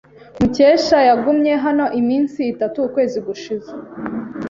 Mukesha yagumye hano iminsi itatu ukwezi gushize.